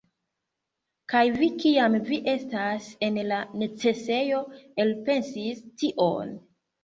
Kaj vi kiam vi estas en la necesejo elpensis tion!